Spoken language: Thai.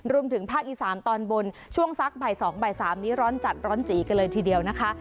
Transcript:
รวมถึงภาคอีสานตอนบนช่วงสักบ่าย๒บ่าย๓นี้ร้อนจัดร้อนจีกันเลยทีเดียวนะคะ